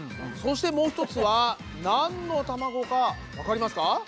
そしてもう１つはなんの卵かわかりますか？